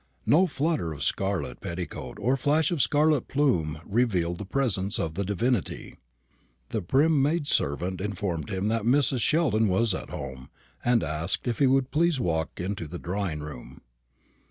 No flutter of scarlet petticoat or flash of scarlet plume revealed the presence of the divinity. The prim maid servant informed him that Mrs. Sheldon was at home, and asked if he would please to walk into the drawing room.